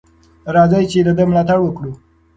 راځئ چې د ده ملاتړ وکړو.